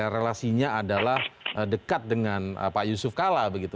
relasinya adalah dekat dengan pak yusuf kala begitu